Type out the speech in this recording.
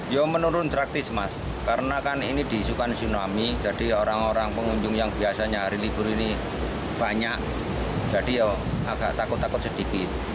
ya menurun praktis mas karena kan ini diisukan tsunami jadi orang orang pengunjung yang biasanya hari libur ini banyak jadi ya agak takut takut sedikit